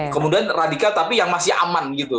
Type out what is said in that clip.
kemudian radikal tapi yang masih aman gitu